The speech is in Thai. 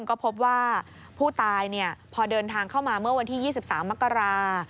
ก็พบว่าผู้ตายพอเดินทางเข้ามาเมื่อวันที่๒๓มกรา